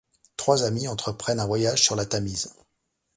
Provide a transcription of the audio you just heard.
Trois amis entreprennent un voyage sur la Tamise...